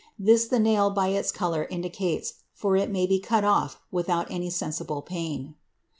This the nail by its color indicates, for it may be cut off without any sensible pain.